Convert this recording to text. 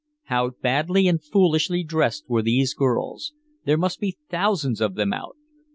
How badly and foolishly dressed were these girls. There must be thousands of them out.